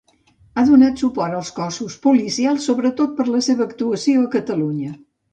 Ha donat suport als cossos policials, sobretot per la seva actuació a Catalunya.